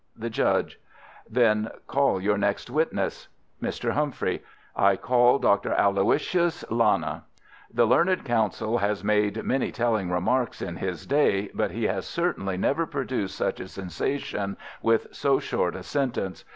The Judge: Then call your next witness. Mr. Humphrey: I call Dr. Aloysius Lana. The learned counsel has made many telling remarks in his day, but he has certainly never produced such a sensation with so short a sentence.